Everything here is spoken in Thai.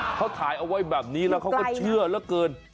เขาถ่ายเอาไว้แบบนี้แล้วเขาก็เชื่อเหลือเกิน